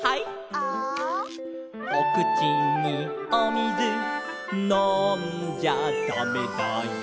「ア」「おくちにおみずのんじゃだめだよ」